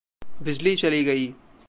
बिजली चली गई।